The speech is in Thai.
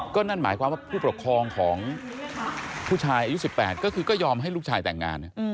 ก็นั่นหมายความว่าผู้ปกครองของผู้ชายอายุ๑๘ก็คือก็ยอมให้ลูกชายแต่งงาน